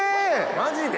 マジで？